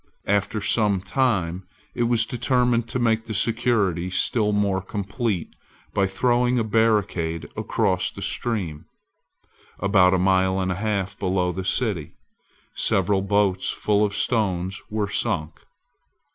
After some time it was determined to make the security still more complete by throwing a barricade across the stream, about a mile and a half below the city. Several boats full of stones were sunk.